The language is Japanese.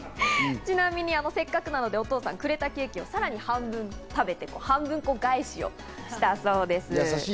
ちなみにせっかくなのでお父さん、くれたケーキをさらに半分こして、半分こ返しをしたそうです。